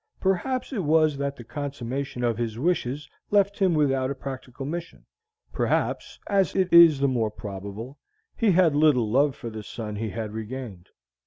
Perhaps it was that the consummation of his wishes left him without a practical mission; perhaps and it is the more probable he had little love for the son he had regained.